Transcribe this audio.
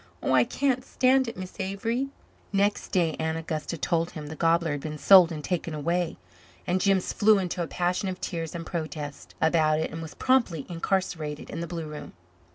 Oh, I can't stand it, Miss Avery." Next day Aunt Augusta told him the gobbler had been sold and taken away. And Jims flew into a passion of tears and protest about it and was promptly incarcerated in the blue room.